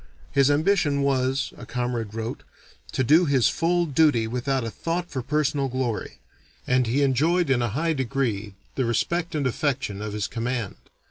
His ambition was, a comrade wrote, to do his full duty without a thought for personal glory; and he enjoyed in a high degree the respect and affection of his command.